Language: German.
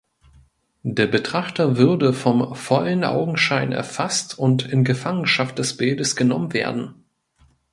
Der Betrachter würde „vom vollen Augenschein erfaßt und in Gefangenschaft des Bildes genommen“ werden.